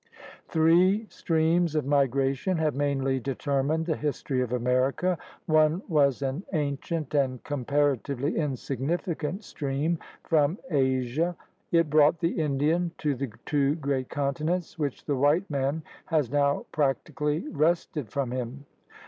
Three streams of migration have mainly deter mined the history of America. One was an ancient 4 THE RED MAN'S CONTINENT and comparatively insignificant stream from Asia. It brought the Indian to the two great continents which the white man has now practically wrested from him.